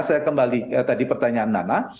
saya kembali tadi pertanyaan nana